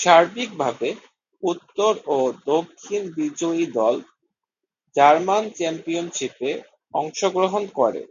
সার্বিকভাবে উত্তর ও দক্ষিণ বিজয়ী দল জার্মান চ্যাম্পিয়নশীপে অংশগ্রহণ করে।